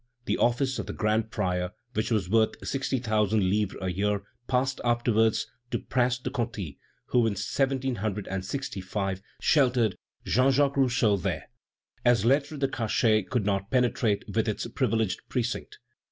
The office of grand prior, which was worth sixty thousand livres a year, passed afterwards to Prince de Conti, who in 1765 sheltered Jean Jacques Rousseau there, as lettres de cachet could not penetrate within its privileged precinct.